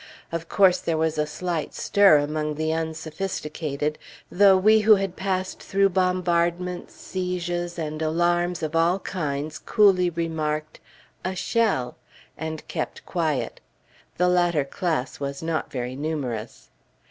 Of course, there was a slight stir among the unsophisticated; though we, who had passed through bombardments, sieges, and alarms of all kinds, coolly remarked, "a shell," and kept quiet. (The latter class was not very numerous.)